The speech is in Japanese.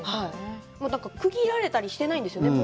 区切られたりしてないんですよね。